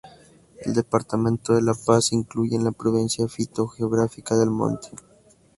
El departamento de La Paz se incluye en la provincia fitogeográfica del Monte.